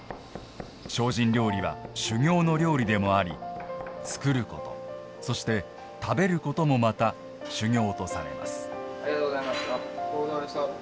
精進料理は、修行の料理でもあり作ること、そして食べることもまた、修行とされます。